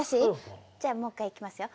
じゃあもう１回いきますよ。